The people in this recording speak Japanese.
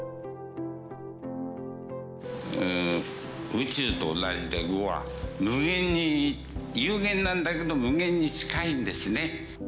宇宙と同じで碁は無限に有限なんだけど無限に近いんですね。